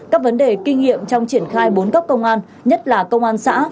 các vấn đề kinh nghiệm trong triển khai bốn cấp công an nhất là công an xã